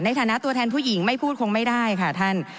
ในฐานะตัวแทนผู้หญิงไม่พูดคงไม่ได้ค่ะท่าน